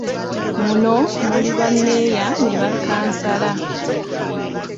Muno omuli bammeeya ne bakkansala.